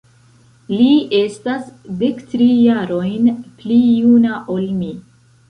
Li estas dektri jarojn pli juna ol mi.